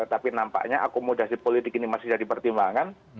tapi nampaknya akomodasi politik ini masih jadi pertimbangan